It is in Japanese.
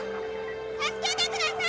助けてください！